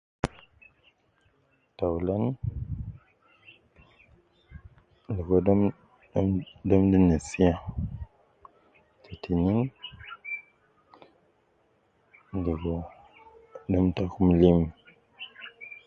Taulan, logo dom dom dom de nesiya, te tinin ,ligo dom takum lim